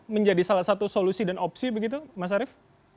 menjadi salah satu solusi dan opsi begitu mas arief